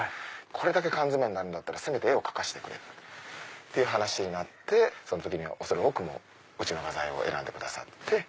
「これだけ缶詰めになるんだったら絵を描かせてくれ」って話になりその時に恐れ多くもうちの画材を選んでくださって。